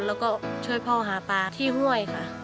แล้วก็ช่วยพ่อหาปลาที่ห้วยค่ะ